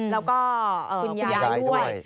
แล้วก็คุณยายด้วย